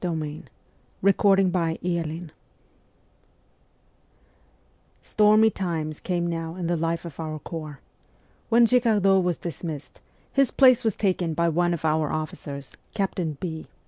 126 MEMOIRS OF A REVOLUTIONIST STOEMY times came now in the life of our corps. When Girardot was dismissed, his place was taken by one of our officers, Captain B